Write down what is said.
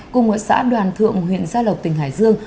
cùng ở xã đoàn thượng huyện gia lộc tỉnh hải dương